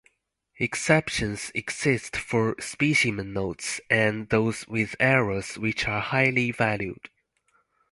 Exceptions exist for "specimen" notes and those with errors which are highly valued.